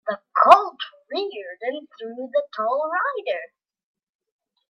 The colt reared and threw the tall rider.